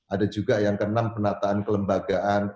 ada juga yang keenam penataan kelembagaan